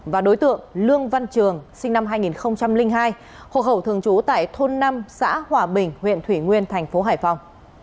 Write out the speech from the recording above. và đối tượng lương văn trường sinh năm hai nghìn hai hồ hậu thường trú tại thôn năm xã hòa bình huyện thủy nguyên thành phố hải phòng